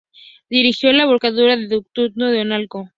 Dirigió la voladura del Gasoducto de Anaco.